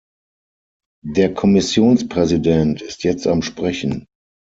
Der Kommissionspräsident ist jetzt am Sprechen.